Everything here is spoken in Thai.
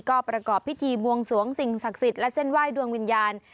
ก็ประกอบพิธีบวงสวงสิ่งศักดิ์สิทธิ์และเส้นไหว้ดวงวิญญาณ